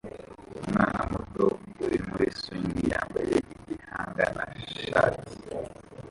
Umwana muto uri muri swing yambaye igihanga na shati